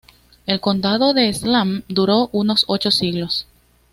El condado de Salm duró unos ocho siglos.